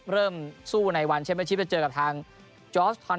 เริ่มสู้ในวันเชมม์เชมม์เชมม์เชมม์เชมม์เชมม์จะเจอกับทาง